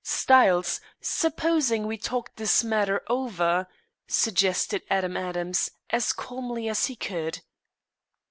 "Styles, supposing we talk this matter over?" suggested Adam Adams, as calmly as he could.